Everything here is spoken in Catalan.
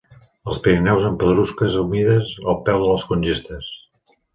Als Pirineus en pedrusques humides al peu de les congestes.